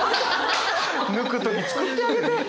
抜く時作ってあげて！